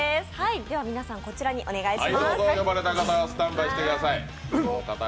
では皆さん、こちらにお願いします